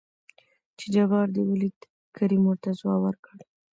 چې جبار دې ولېد؟ کريم ورته ځواب ورکړ.